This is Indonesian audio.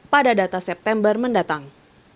pada data september mendatang